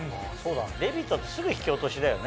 デビットってすぐ引き落としだよね。